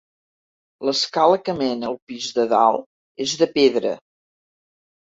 L'escala que mena al pis de dalt és de pedra.